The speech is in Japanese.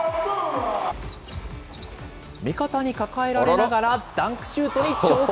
味方に抱えられながら、ダンクシュートに挑戦。